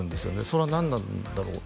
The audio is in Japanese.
それは何なんだろう